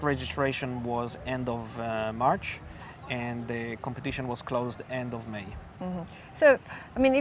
registrasi terakhir di akhir maret dan pertandingan diakhiri di akhir mei